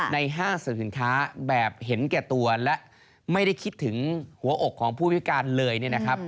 ห้างสรรพสินค้าแบบเห็นแก่ตัวและไม่ได้คิดถึงหัวอกของผู้พิการเลยเนี่ยนะครับ